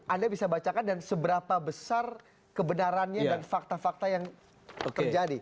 anda bisa bacakan dan seberapa besar kebenarannya dan fakta fakta yang terjadi